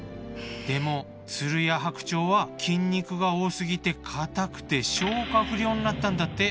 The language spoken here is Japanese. でも鶴や白鳥は筋肉が多すぎて硬くて消化不良になったんだって。